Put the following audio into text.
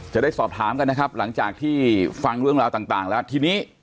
จะได้สอบถามกันนะครับหลังจากที่ฟังเรื่องราวต่างแล้วทีนี้